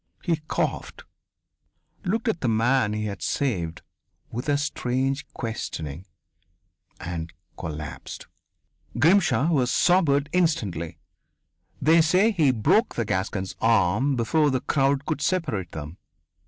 He coughed, looked at the man he had saved with a strange questioning, and collapsed. Grimshaw was sobered instantly. They say that he broke the Gascon's arm before the crowd could separate them.